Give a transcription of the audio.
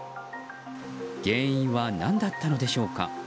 原因は何だったのでしょうか。